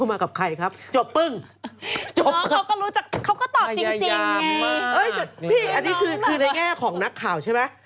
อันนี้คือในแง่ของนักข่าวใช่ไหม